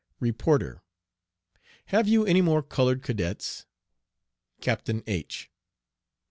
"Reporter. Have you any more colored cadets? "Captain H